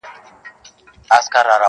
بیا به سېل د شوپرکو له رڼا وي تورېدلی -